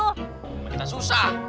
orang kita susah